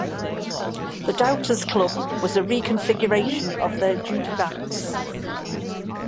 The Doubters Club was a reconfiguration of the Judybats.